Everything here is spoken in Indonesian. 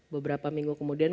beberapa minggu kemudian